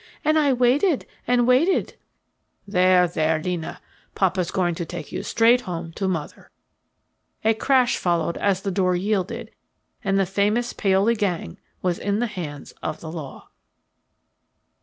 And I waited, and waited " "There, there, 'Lina, papa's going to take you straight home to mother." A crash followed as the door yielded, and the famous Paoli gang was in the hands of the law.